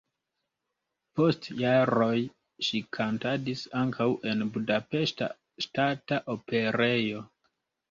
Post jaroj ŝi kantadis ankaŭ en Budapeŝta Ŝtata Operejo.